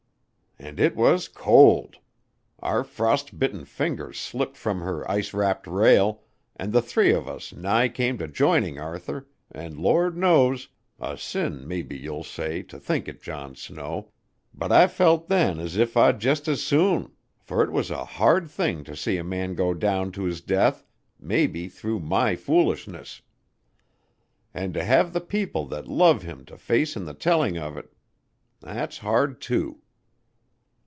And it was cold. Our frost bitten fingers slipped from her ice wrapped rail, and the three of us nigh came to joining Arthur, and Lord knows a sin, maybe you'll say, to think it, John Snow but I felt then as if I'd just as soon, for it was a hard thing to see a man go down to his death, maybe through my foolishness. And to have the people that love him to face in the telling of it that's hard, too."